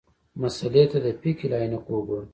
مسألې ته د فقهې له عینکو وګورو.